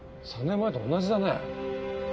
３年前と同じだね。